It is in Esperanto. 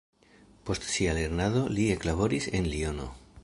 Post sia lernado li eklaboris en Liono.